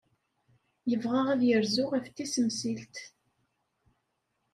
Yebɣa ad yerzu ɣef Tisemsilt.